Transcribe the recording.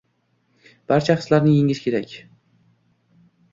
Barcha hislarni yengish kerak.